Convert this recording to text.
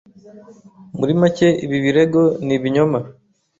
Muri make, ibi birego ni ibinyoma.